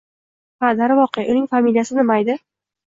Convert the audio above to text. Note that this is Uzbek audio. Ha, darvoqe, uning familiyasi nimaydi.